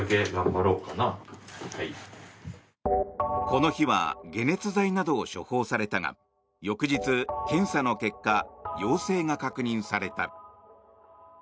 この日は解熱剤などを処方されたが翌日、検査の結果陽性が確認された。